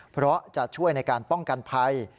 เพราะจะช่วยในการป้องกันภัย